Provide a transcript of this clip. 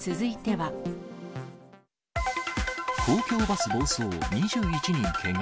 公共バス暴走、２１人けが。